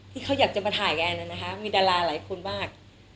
ที่เขาอยากจะมาถ่ายแอนนะคะมีดาราหลายคนมาก